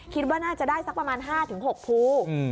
คิดว่าน่าจะได้สักประมาณ๕๖ภู